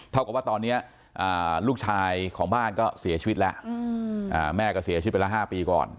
กับว่าตอนนี้ลูกชายของบ้านก็เสียชีวิตแล้วแม่ก็เสียชีวิตไปละ๕ปีก่อน